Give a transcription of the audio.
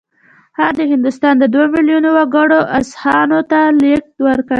هغه د هندوستان د دوه میلیونه وګړو اذهانو ته لېږد ورکړ